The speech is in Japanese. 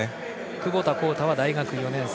窪田幸太は大学４年生。